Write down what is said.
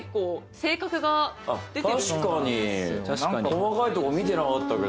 細かいとこ見てなかったけど。